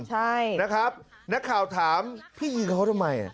ใช่นะครับนักข่าวถามพี่ยิงเขาทำไม